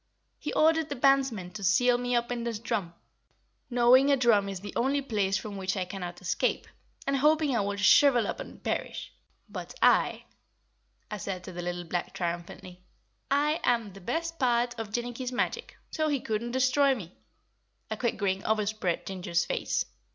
"He ordered the bandsmen to seal me up in this drum, knowing a drum is the only place from which I cannot escape, and hoping I would shrivel up and perish. But I " asserted the little black triumphantly "I am the best part of Jinnicky's magic, so he couldn't destroy me." A quick grin overspread Ginger's face.